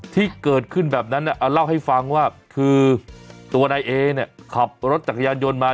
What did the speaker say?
ที่เกิดขึ้นแบบนั้นเล่าให้ฟังว่าคือตัวนายเอเนี่ยขับรถจักรยานยนต์มา